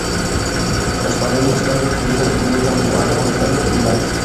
Las paredes están recubiertas de mármol verde y blanco.